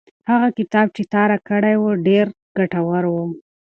هغه کتاب چې تا راکړی و ډېر ګټور و.